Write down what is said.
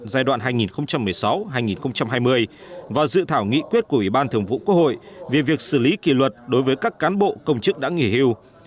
giai đoạn hai nghìn một mươi sáu hai nghìn hai mươi và dự thảo nghị quyết của ủy ban thường vụ quốc hội về việc xử lý kỷ luật đối với các cán bộ công chức đã nghỉ hưu